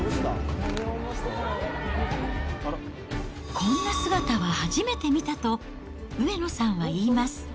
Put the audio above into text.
こんな姿は初めて見たと、上野さんは言います。